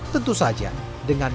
tentu saja dengan